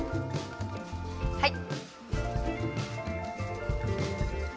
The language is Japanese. はい。